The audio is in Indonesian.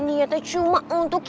niatnya cuma untuk